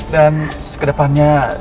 dan ke depannya